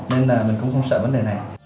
nên là mình cũng không sợ vấn đề này